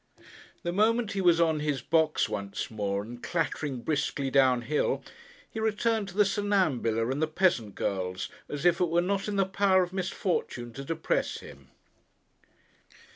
The moment he was on his box once more, and clattering briskly down hill, he returned to the Sonnambula and the peasant girls, as if it were not in the power of misfortune to depress him.